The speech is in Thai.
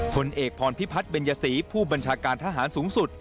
ผลเอกพรพิพัฒน์เบญยศรีผู้บัญชาการทหารสูงสุด